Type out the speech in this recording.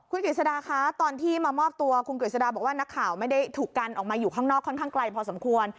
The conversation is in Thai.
คุณกฤษฎาคะตอนที่มามอบตัวคุณกฤษฎาบอกว่านักข่าวไม่ได้ถูกกันออกมาอยู่ข้างนอกค่อนข้างไกลพอสมควร